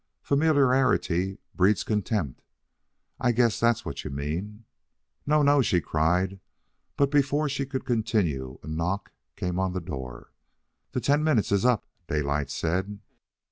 Familiarity breeds contempt I guess that's what you mean." "No, no," she cried, but before she could continue, a knock came on the door. "The ten minutes is up," Daylight said.